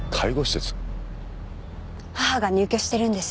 母が入居してるんです。